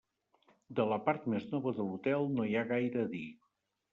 De la part més nova de l'Hotel no hi ha gaire a dir.